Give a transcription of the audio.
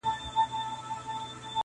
• د میني ترانې وایی پخپل لطیفه ژبه..